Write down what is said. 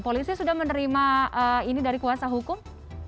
polisi sudah menerima ini dari kuasa hukum